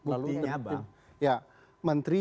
berarti ya menteri